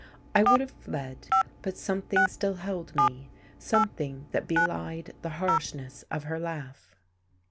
I would have fled, but something still held me, something that belied the harshness of her laugh.